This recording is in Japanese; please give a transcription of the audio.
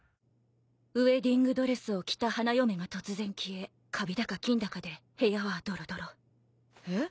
「ウエディングドレスを着た花嫁が突然消えカビだか菌だかで部屋はドロドロ」えっ？